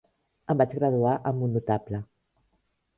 Em vaig graduar amb un notable.